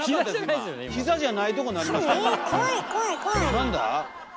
何だ？